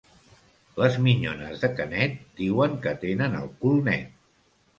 Les minyones de Canet diuen que tenen el cul net.